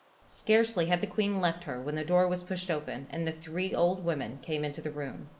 Scarcely had the Queen left her when the door was pushed open, and the three old women came into the room.